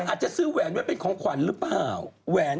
อาจจะซื้อแหวนไว้เป็นของขวัญหรือเปล่าแหวน